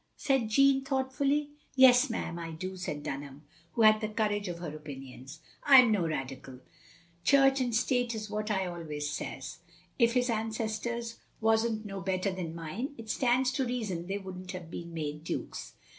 said Jeanne, thoughtfully. "Yes, ma*am, I do," said Dunham, who had the courage of her opinions. " I 'm no Radical. Church and State is what I always says. If his ancestors was n't no better than mine it stands to reason they would n't have been made Dukes."